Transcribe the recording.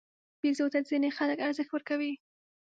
بیزو ته ځینې خلک ارزښت ورکوي.